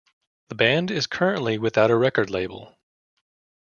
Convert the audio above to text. The band is currently without a record label.